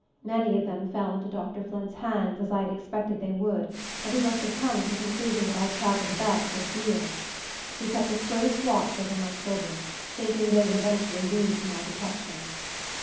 Many of them fell into Dr. Flint's hands, as I expected they would; and he must have come to the conclusion that I travelled about a good deal. He kept a close watch over my children, thinking they would eventually lead to my detection.